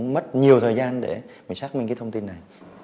mất nhiều thời gian để xác minh thông tin này